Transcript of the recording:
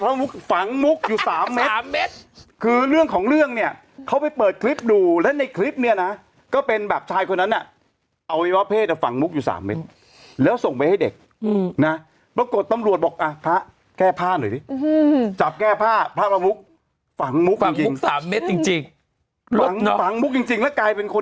มุกฝังมุกอยู่สามเม็ดสามเม็ดคือเรื่องของเรื่องเนี่ยเขาไปเปิดคลิปดูและในคลิปเนี่ยนะก็เป็นแบบชายคนนั้นน่ะอวัยวะเพศอ่ะฝังมุกอยู่สามเม็ดแล้วส่งไปให้เด็กนะปรากฏตำรวจบอกอ่ะพระแก้ผ้าหน่อยดิจับแก้ผ้าพระประมุกฝังมุกฝังมุกสามเม็ดจริงฝังฝังมุกจริงแล้วกลายเป็นคน